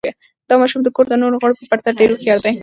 دا ماشوم د کور د نورو غړو په پرتله ډېر هوښیار دی.